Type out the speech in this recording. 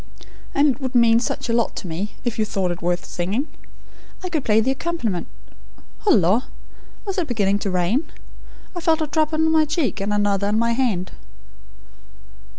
And it would mean such a lot to me, if you thought it worth singing. I could play the accompaniment Hullo! Is it beginning to rain? I felt a drop on my cheek, and another on my hand."